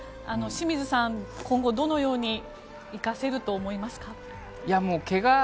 清水さん、今後どのように生かせると思いますか？